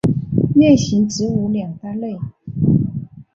链型植物两大类。